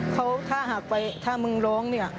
เขาถ้าหากไปถ้ามึงร้องเนี่ย